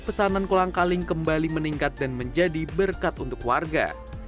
pesanan kolang kaling kembali meningkat dan menjadi berkat untuk warga